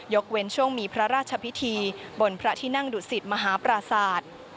เว้นช่วงมีพระราชพิธีบนพระที่นั่งดุสิตมหาปราศาสตร์